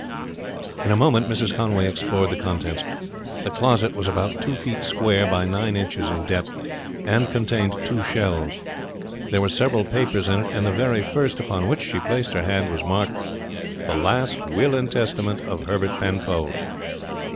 In a moment Mrs. Conway explored the contents. The closet was about two feet square by nine inches in depth, and contained two shelves. There were several papers in it, and the very first upon which she placed her hand was marked "The Last Will and Testament of Herbert Penfold."